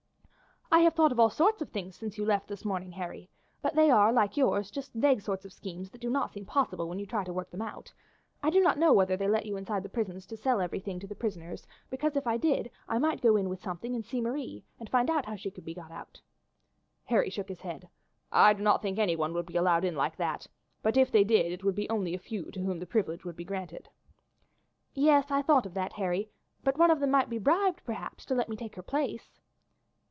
"I have thought of all sort of things since you left us this morning, Harry, but they are like yours, just vague sort of schemes that do not seem possible when you try to work them out. I do not know whether they let you inside the prisons to sell everything to the prisoners, because if they did I might go in with something and see Marie, and find out how she could be got out." Harry shook his head. "I do not think anyone would be allowed in like that, but if they did it would only be a few to whom the privilege would be granted." "Yes, I thought of that, Harry; but one of them might be bribed perhaps to let me take her place."